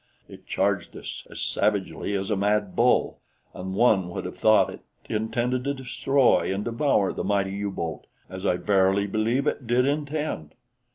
It charged us as savagely as a mad bull, and one would have thought it intended to destroy and devour the mighty U boat, as I verily believe it did intend.